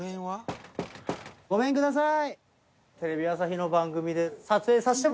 ごめんください。